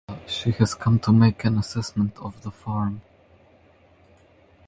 She has come to make an assessment of the farm.